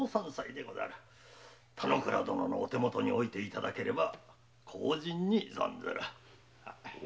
田之倉殿のお手もとに置いていただければ幸甚に存ずる。